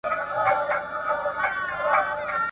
موږ اولاد د مبارک یو موږ سیدان یو ..